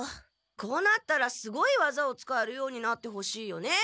こうなったらすごいわざを使えるようになってほしいよね。